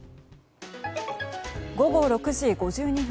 午後６時５２分。